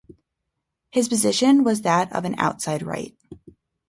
His position was that of an outside right.